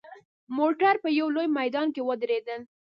موټر په یوه لوی میدان کې ودرېدل.